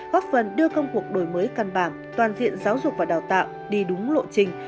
góp phần đưa công cuộc đổi mới căn bản toàn diện giáo dục và đào tạo đi đúng lộ trình